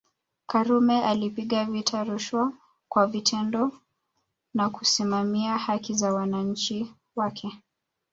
Karume alipiga vita rushwa kwa vitendo na kusimamia haki za wananchi wake